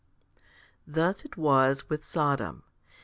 22. Thus it was with Sodom.